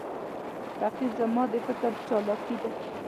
رقیب زما د فکر چالاکي ده